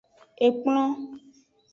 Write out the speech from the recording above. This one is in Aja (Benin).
Ekplon.